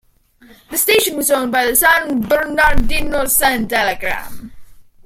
The station was owned by the "San Bernardino Sun-Telegram".